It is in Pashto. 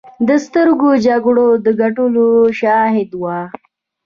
د سترو جګړو د ګټلو شاهده وه.